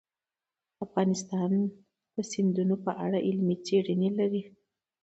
افغانستان د سیندونه په اړه علمي څېړنې لري.